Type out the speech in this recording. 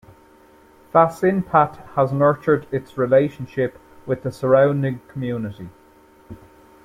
FaSinPat has nurtured its relationship with the surrounding community.